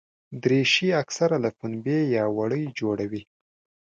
دریشي اکثره له پنبې یا وړۍ جوړه وي.